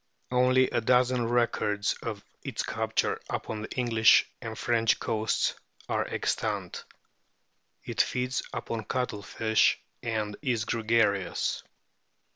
Only a dozen records of its capture upon the English and French coasts are extant. It feeds upon cuttle fish and is gregarious.